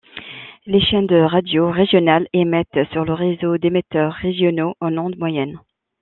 Les chaînes de radio régionales émettent sur le réseau d'émetteurs régionaux en ondes moyennes.